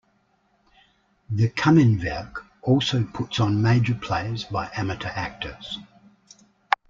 The "Kaminwerk" also puts on major plays by amateur actors.